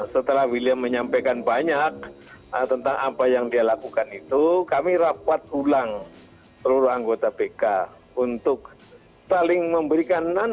setelah william menyampaikan banyak tentang apa yang dia lakukan itu kami rapat ulang seluruh anggota pk untuk saling memberikan